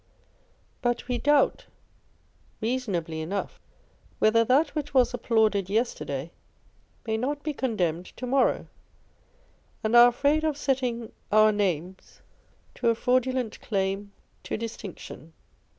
But we doubt reasonably enough, whether that which was applauded yesterday may not be condemned to morrow; and are afraid of setting our names to a fraudulent claim to distinction.